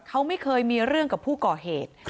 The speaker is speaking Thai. เขาไม่เคยมีเรื่องกับผู้ก่อเหตุ